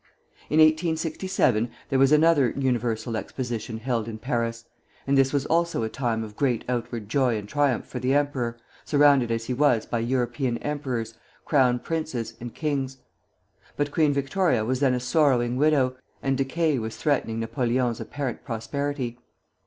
In 1867 there was another Universal Exposition held in Paris; and this was also a time of great outward glory and triumph for the emperor, surrounded as he was by European emperors, crown princes, and kings; but Queen Victoria was then a sorrowing widow, and decay was threatening Napoleon's apparent prosperity.